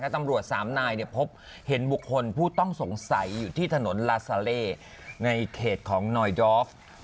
ตำรวจ๓นายพบเห็นบุคคลผู้ต้องสงสัยอยู่ที่ถนนลาซาเล่ในเขตของนอยดอฟ